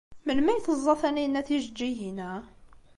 Melmi ay teẓẓa Taninna tijeǧǧigin-a?